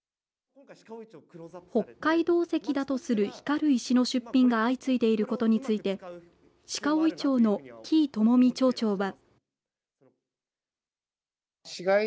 北海道石だとする光る石の出品が相次いでいることについて鹿追町の喜井知己町長は。